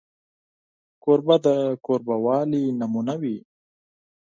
کوربه د کوربهوالي نمونه وي.